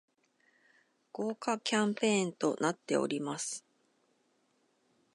豪華キャンペーンとなっております